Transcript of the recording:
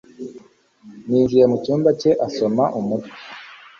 Yinjiye mu cyumba cye asoma umutwe